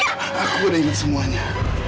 aku ingat semuanya